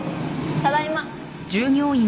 ただいま。